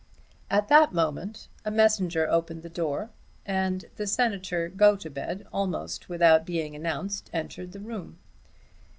At that moment a messenger opened the door, and the Senator Gotobed, almost without being announced, entered the room.